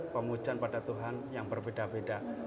pemujaan pada tuhan yang berbeda beda